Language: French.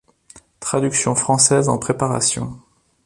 Traduction française en préparation.